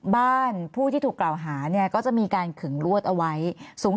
บ้านผู้ที่ถูกกล่าวหาเนี่ยก็จะมีการขึงลวดเอาไว้สูง